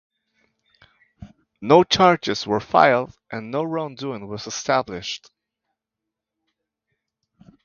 No charges were filed, and no wrongdoing was established.